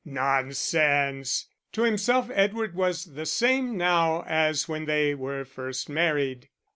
"Nonsense!" To himself Edward was the same now as when they were first married.